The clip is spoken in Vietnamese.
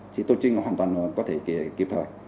chỉ tổ chỉnh hoàn toàn có thể kịp thời